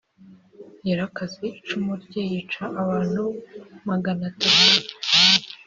Yakaraze icumu rye yica abantu magana atatu